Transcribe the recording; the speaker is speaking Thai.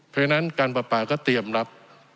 เพราะฉะนั้นการปราปาก็เตรียมรับ